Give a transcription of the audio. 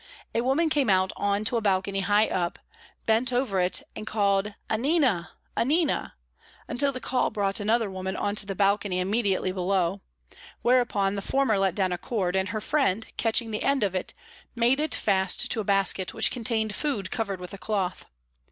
A woman came out on to a balcony high up, bent over it, and called, "Annina! Annina!" until the call brought another woman on to the balcony immediately below; whereupon the former let down a cord, and her friend, catching the end of it, made it fast to a basket which contained food covered with a cloth.